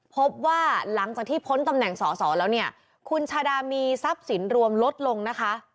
พบว่าหลังจากที่พ้นตำแหน่งสอสอแล้วเนี่ยคุณชาดามีทรัพย์สินรวมลดลงนะคะ